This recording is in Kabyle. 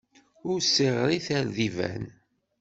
Ur ssiɣrit ar d iban!